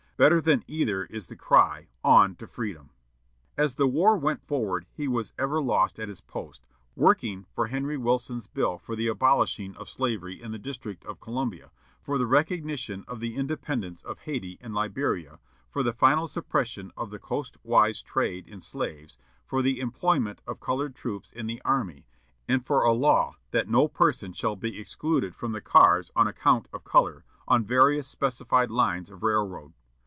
Better than either is the cry, 'On to freedom!'" As the war went forward he was ever at his post, working for Henry Wilson's bill for the abolishing of slavery in the District of Columbia, for the recognition of the independence of Hayti and Liberia, for the final suppression of the coastwise trade in slaves, for the employment of colored troops in the army, and for a law that "no person shall be excluded from the cars on account of color," on various specified lines of railroad.